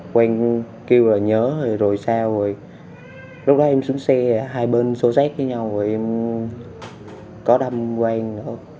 quang kêu là nhớ rồi sao rồi lúc đó em xuống xe hai bên xô xét với nhau rồi em có đâm quang nữa